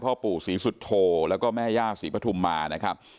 พ่อปู่ศรีสุโธแล้วก็แม่ย่าศรีปฐุมมานะครับ